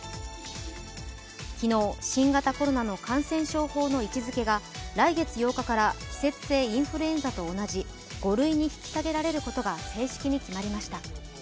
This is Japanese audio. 昨日、新型コロナの感染症法の位置付けが来月８日から季節性インフルエンザと同じ５類に引き下げられることが正式に決まりました。